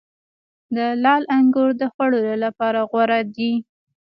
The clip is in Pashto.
د لعل انګور د خوړلو لپاره غوره دي.